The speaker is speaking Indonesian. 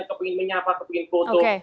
kepingin menyapa kepingin foto